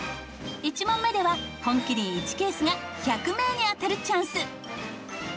１問目では本麒麟１ケースが１００名に当たるチャンス。